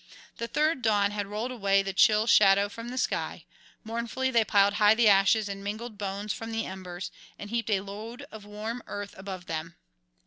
The third Dawn had rolled away the chill shadow from the sky; mournfully they piled high the ashes and mingled bones from the embers, and heaped a load of warm earth above them.